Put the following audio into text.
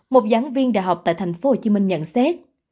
một giảng viên đại học tại thành phố hồ chí minh nhận xét